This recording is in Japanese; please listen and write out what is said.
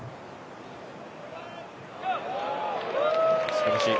すばらしい。